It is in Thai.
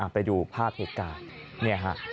ไปดูภาพเหตุการณ์